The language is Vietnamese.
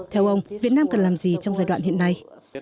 theo ông việt nam cần làm gì trong giai đoạn hiện nay